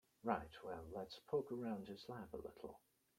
Right, well let's poke around his lab a little.